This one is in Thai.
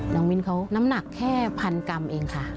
มิ้นเขาน้ำหนักแค่พันกรัมเองค่ะ